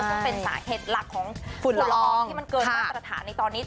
ซึ่งเป็นสาเหตุหลักของฝุ่นละอองที่มันเกินมาตรฐานในตอนนี้